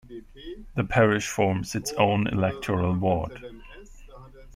The parish forms its own electoral ward.